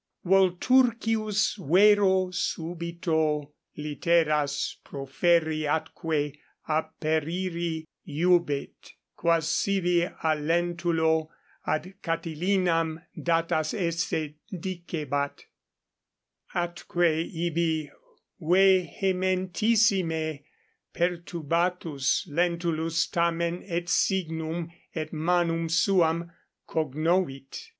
Volturcius vero 12 subito litteras proferri atque aperiri iubet, quas sibi a Lentulo ad Catilinam datas esse dicebat. Atque ibi vehementissime perturbatus Lentulus tamen et signum et manum suam cognovit.